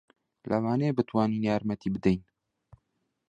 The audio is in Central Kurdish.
لەوانەیە بتوانین یارمەتی بدەین.